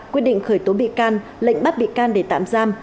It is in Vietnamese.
quyết định khởi tố bị can lệnh bắt bị can để tạm giam